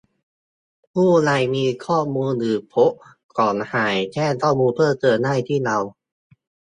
ผู้ใดมีข้อมูลหรือพบเห็นของหายแจ้งข้อมูลเพิ่มเติมได้ที่เรา